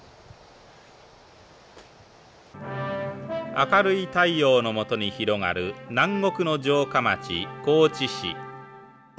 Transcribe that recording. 「明るい太陽のもとに広がる南国の城下町高知市」。